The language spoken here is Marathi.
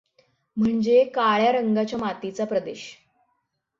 म्हणजे काळ्या रंगाच्या मातीचा प्रदेश.